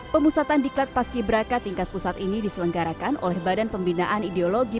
pemusatan diklat paski beraka tingkat pusat ini diselenggarakan oleh badan pembinaan ideologi